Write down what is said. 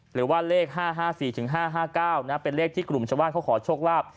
หรือว่าเลข๕๕๔๕๕๙เป็นเลขที่กลุ่มชาวบ้านเขาขอโชคลาภ